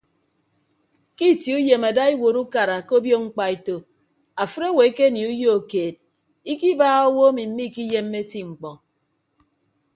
Ke itie uyem ada iwuot ukara ke obio mkpaeto afịt owo ekenie uyo keed ikibaaha owo emi miikiyemme eti mkpọ.